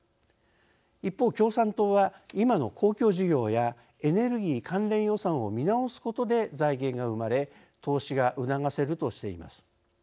一方共産党は「今の公共事業やエネルギー関連予算を見直すことで財源が生まれ投資が促せる」としています。